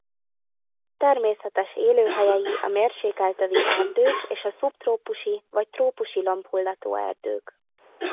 Természetes élőhelyei a mérsékelt övi erdők és a szubtrópusi vagy trópusi lombhullató erdők.